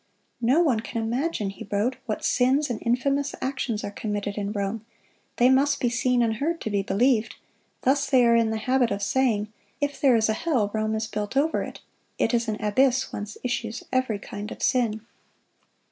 "No one can imagine," he wrote, "what sins and infamous actions are committed in Rome; they must be seen and heard to be believed. Thus they are in the habit of saying, 'If there is a hell, Rome is built over it: it is an abyss whence issues every kind of sin.